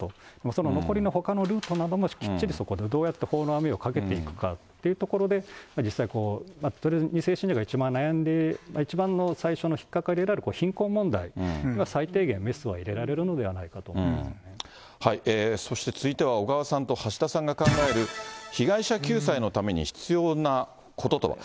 その残りのほかのルートなども、きっちりそこでどうやって法の網をかけていくかというところで、実際、とりあえず２世信者が一番悩んでいる、一番の最初の引っ掛かりである貧困問題は、最低限、メスは入れらそして続いては小川さんと橋田さんが考える、被害者救済のために必要なこととは。